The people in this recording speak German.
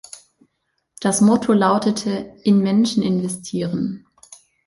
Das Motto lautete „In Menschen investieren“.